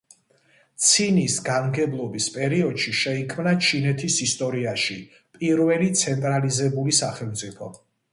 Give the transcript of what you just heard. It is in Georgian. ცინის განმგებლობის პერიოდში შეიქმნა ჩინეთის ისტორიაში პირველი ცენტრალიზებული სახელმწიფო.